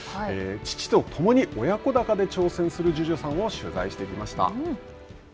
父とともに親子だかで挑戦する樹潤さんを取材しました。